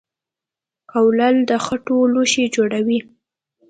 کولال د خټو لوښي جوړوي